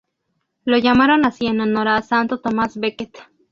Lo llamaron así en honor a Santo Tomás Becket.